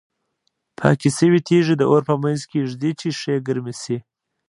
پاکې شوې تیږې د اور په منځ کې ږدي چې ښې ګرمې شي.